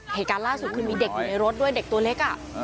เหตุการณ์ล่าสุดคือมีเด็กอยู่ในรถด้วยเด็กตัวเล็ก